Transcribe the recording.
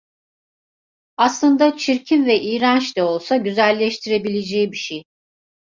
Aslında çirkin ve iğrenç de olsa, güzelleştirebileceği bir şey…